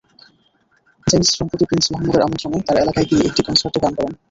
James সম্প্রতি prince মোহাম্মদের আমন্ত্রণে তাঁর এলাকায় গিয়ে একটি কনসার্টে গান করেন।